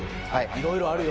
いろいろあるよ